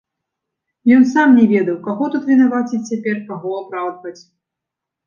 Ён сам не ведаў, каго тут вінаваціць цяпер, каго апраўдваць.